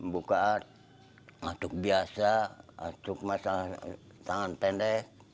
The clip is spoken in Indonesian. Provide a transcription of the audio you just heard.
buka mengasuk biasa mengasuk dengan tangan pendek